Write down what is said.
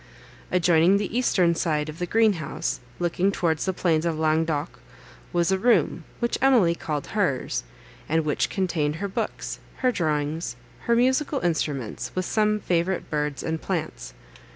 Adjoining the eastern side of the green house, looking towards the plains of Languedoc, was a room, which Emily called hers, and which contained her books, her drawings, her musical instruments, with some favourite birds and plants.